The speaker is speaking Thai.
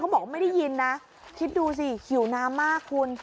บอกว่าไม่ได้ยินนะคิดดูสิหิวน้ำมากคุณ